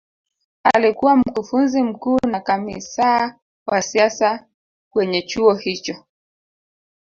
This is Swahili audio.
alikuwa mkufunzi mkuu na kamisaa wa siasa kwenye chuo hicho